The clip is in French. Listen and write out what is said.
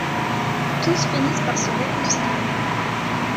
Tous finissent par se réconcilier.